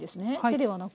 手ではなく。